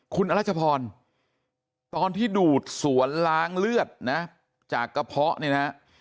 คุณอรัชพรตอนที่ดูดสวนล้างเลือดนะจากกระเพาะเนี่ยนะ